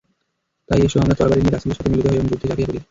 তাই এসো আমরা তরবারী নিয়ে রাসূলের সাথে মিলিত হই এবং যুদ্ধে ঝাঁপিয়ে পড়ি।